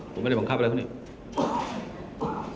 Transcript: ผมไม่ได้บังคับอะไรเขานี่